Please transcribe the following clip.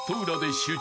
集中。